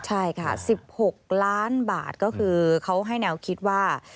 ใช่ค่ะ๑๖ล้านบาทก็คือเขาให้แนวคิดว่า